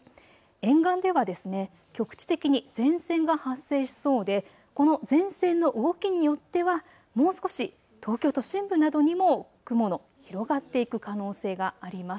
沿岸では局地的に前線が発生しそうで、この前線の動きによっては、もう少し東京都心部などにも雲の広がっていく可能性があります。